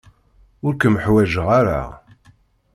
Ur kem-ḥwajeɣ ara.